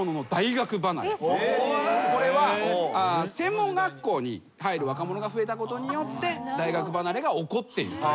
これは専門学校に入る若者が増えたことによって大学離れが起こっていると。